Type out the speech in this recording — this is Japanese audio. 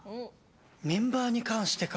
メンバーに関してか。